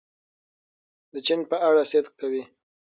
د چین په اړه صدق کوي.